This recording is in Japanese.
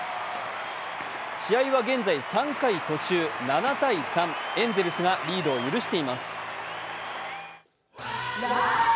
試合は現在３回途中７−３、エンゼルスがリードを許しています。